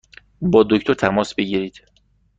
با دکتر تماس بگیرید!